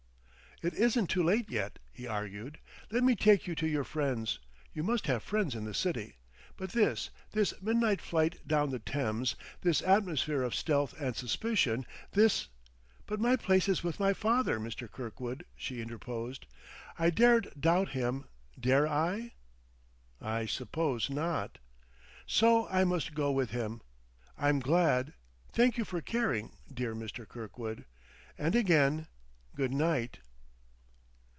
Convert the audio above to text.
"It isn't too late, yet," he argued. "Let me take you to your friends, you must have friends in the city. But this this midnight flight down the Thames, this atmosphere of stealth and suspicion, this " "But my place is with my father, Mr. Kirkwood," she interposed. "I daren't doubt him dare I?" "I ... suppose not." "So I must go with him.... I'm glad thank you for caring, dear Mr. Kirkwood. And again, good night."